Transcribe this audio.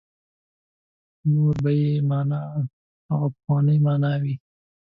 نور به یې معنا هغه پخوانۍ معنا نه وي.